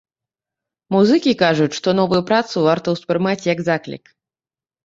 Музыкі кажуць, што новую працу варта ўспрымаць як заклік.